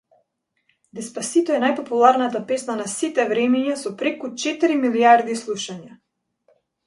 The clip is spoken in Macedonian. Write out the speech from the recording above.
Деспасито е најпопуларната песна на сите времиња, со преку четири милијарди слушања.